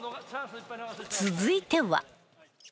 続いては。